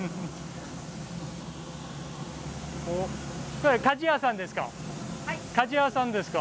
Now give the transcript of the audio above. これ鍛冶屋さんですか？